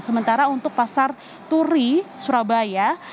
sementara untuk pasar turi surabaya